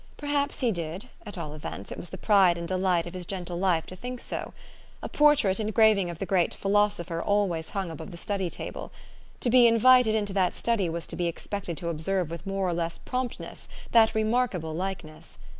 Perhaps he did : at all events, it was the pride and delight of his gentle life to think so. A portrait engraving of the great philosopher alwaj's hung above the study table. To be invited into that study was to be expected to observe with more or less promptness that remarkable likeness.